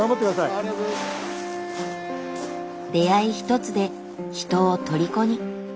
出会いひとつで人をとりこに。